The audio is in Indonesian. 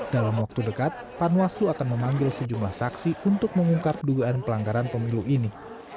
dalam waktu dekat panwaslu akan memanggil sejumlah saksi untuk mengungkap dugaan pelanggaran pemilu ini